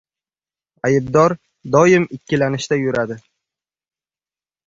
• Aybdor doim ikkilanishda yuradi.